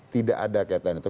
tidak ada keadaan itu